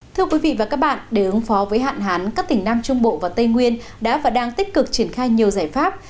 thưa quý vị và các bạn để ứng phó với hạn hán các tỉnh nam trung bộ và tây nguyên đã và đang tích cực triển khai nhiều giải pháp